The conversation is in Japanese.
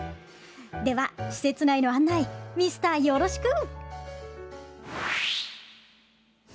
では、施設内の案内ミスター、よろしく！